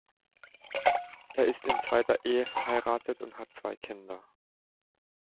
Er ist in zweiter Ehe verheiratet und hat zwei Kinder.